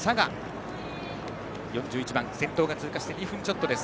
４１番、先頭が通過して２分ちょっとです。